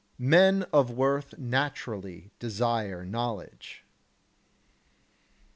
8. Men of worth naturally desire knowledge.